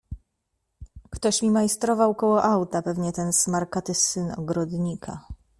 "Ktoś mi majstrował koło auta; pewnie ten smarkaty, syn ogrodnika."